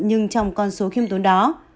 nhưng trong con số khiêm tốn đó